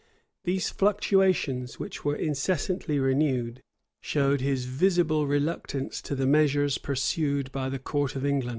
[] These fluctuations, which were incessantly renewed, showed his visible reluctance to the measures pursued by the court of England.